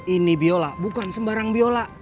ini biola bukan sembarang biola